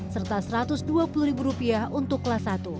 serta rp satu ratus dua puluh untuk kelas satu